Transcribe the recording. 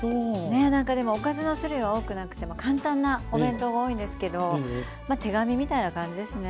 ね何かでもおかずの種類は多くなくても簡単なお弁当が多いんですけど手紙みたいな感じですね。